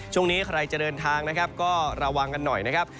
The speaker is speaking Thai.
ช่วงนี้ใครจะเดินทางนะครับก็ระวังกันหน่อยนะครับ